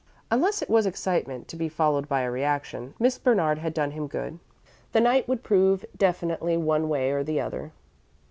Unless it was excitement, to be followed by a reaction, Miss Bernard had done him good. The night would prove it definitely, one way or the other.